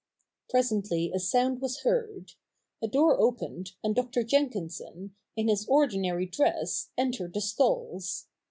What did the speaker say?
Presently a sound was heard. A door opened, and Dr. Jenkinson, in his ordinary dress, entered the stalls.